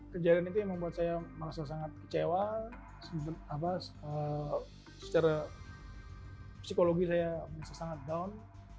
kejadian itu yang membuat saya merasa sangat kecewa secara psikologi saya merasa sangat down